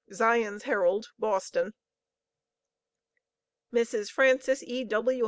Zion's Herald, Boston. "Mrs. Frances E.W.